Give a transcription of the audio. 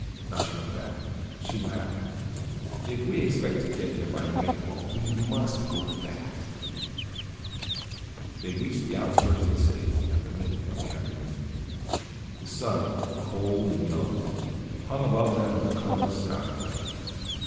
Nasha looked back. She laughed. "If we expect to get there by nightfall we must go fast." They reached the outskirts of the city at about the middle of the afternoon. The sun, cold and yellow, hung above them in the colorless sky.